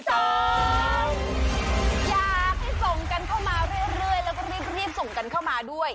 ส่งกันเข้ามาเรื่อยแล้วก็รีบส่งกันเข้ามาด้วย